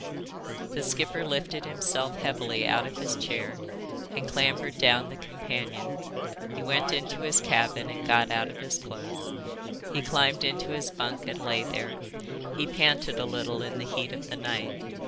The skipper lifted himself heavily out of his chair and clambered down the companion. He went into his cabin and got out of his clothes. He climbed into his bunk and lay there. He panted a little in the heat of the night.